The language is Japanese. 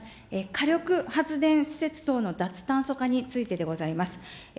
火力発電施設等の脱炭素化についてでございます。